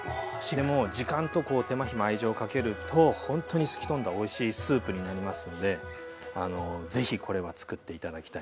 でも時間と手間暇愛情をかけるとほんとに透き通ったおいしいスープになりますんで是非これはつくって頂きたい。